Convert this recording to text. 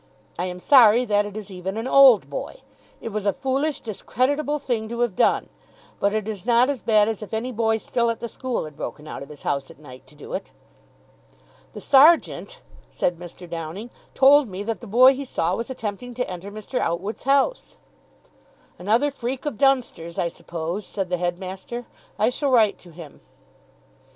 I am sorry that it is even an Old Boy. It was a foolish, discreditable thing to have done, but it is not as bad as if any boy still at the school had broken out of his house at night to do it." "The sergeant," said Mr. Downing, "told me that the boy he saw was attempting to enter Mr. Outwood's house." "Another freak of Dunster's, I suppose," said the headmaster. "I shall write to him."